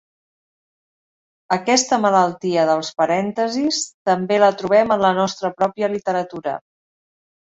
Aquesta malaltia dels parèntesis també la trobem en la nostra pròpia literatura.